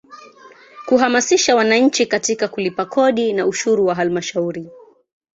Kuhamasisha wananchi katika kulipa kodi na ushuru wa Halmashauri.